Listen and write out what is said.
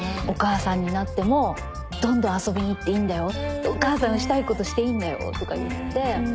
お母さんになってもどんどん遊びにいっていいんだよお母さんのしたいことしていいんだよとか言って。